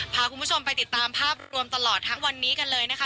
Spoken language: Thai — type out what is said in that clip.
พาคุณผู้ชมไปติดตามภาพรวมตลอดทั้งวันนี้กันเลยนะคะ